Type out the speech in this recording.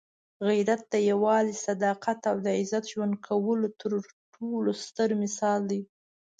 غیرت د یووالي، صداقت او د عزت ژوند کولو تر ټولو ستر مثال دی.